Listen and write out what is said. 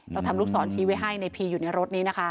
เราทำลูกศรชี้ไว้ให้ในพีอยู่ในรถนี้นะคะ